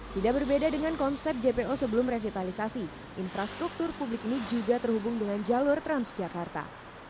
tidak berbeda dengan konsep jpo sebelum revitalisasi infrastruktur publik ini juga terhubung dengan jalur transjakarta